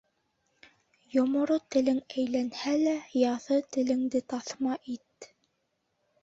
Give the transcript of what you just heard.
Йоморо телең әйләнһә лә, яҫы теленде таҫма ит.